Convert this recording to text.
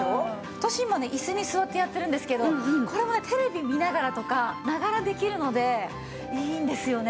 私今ね椅子に座ってやってるんですけどこれはテレビ見ながらとかながらできるのでいいんですよね。